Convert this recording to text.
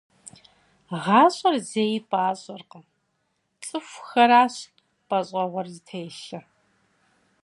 ГъащӀэр зэи пӀащӀэркъым, цӀыхухэращ пӀащӀэгъуэр зытелъыр.